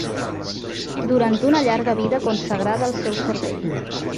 ...durant una llarga vida consagrada al seu servei.